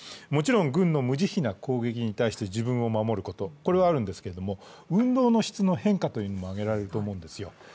もちろん軍の無慈悲な攻撃に対して自分を守ることもあるんですが運動の質の変化というの挙げられると思うんですね。